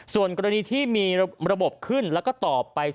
ส่วนกรณีที่มีระบบขึ้นแล้วก็ตอบไป